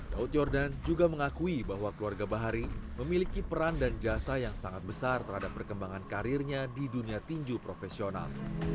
daud yordan juga mengakui bahwa keluarga bahari memiliki peran dan jasa yang sangat besar terhadap perkembangan karirnya di dunia tinju profesional